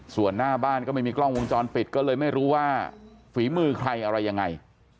ส่วนหน้าบ้านก็ไม่มีกล้องวงจรปิดก็เลยไม่รู้ว่าฝีมือใครอะไรยังไง